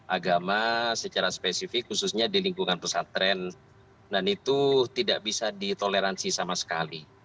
agama secara spesifik khususnya di lingkungan pesantren dan itu tidak bisa ditoleransi sama sekali